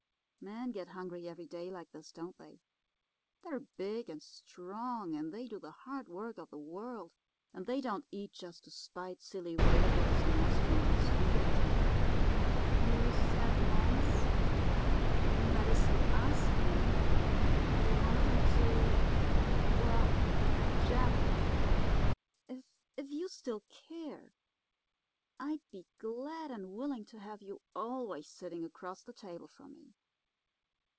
Men get hungry every day like this, don't they? They're big and strong, and they do the hard work of the world, and they don't eat just to spite silly waiter girls in restaurants, do they, Jeff? You said once—that is, you asked me—you wanted me to—well, Jeff, if you still care—I'd be glad and willing to have you always sitting across the table from me.